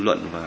lên án giam